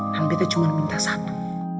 namanya betta cuma minta satu